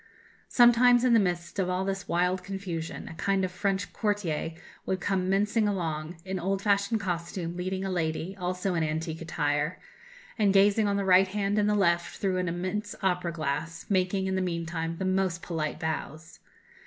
Sometimes, in the midst of all this wild confusion, a kind of French courtier would come mincing along, in old fashioned costume, leading a lady, also in antique attire, and, gazing on the right hand and the left through an immense opera glass, making, in the meantime, the most polite bows.